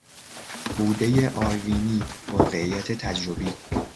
بودهی آروینی، واقعیت تجربی